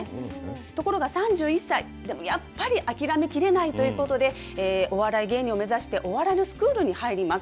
ところが、３１歳、でもやっぱり諦めきれないということで、お笑い芸人を目指して、お笑いのスクールに入ります。